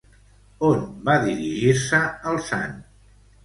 On va dirigir-se el sant?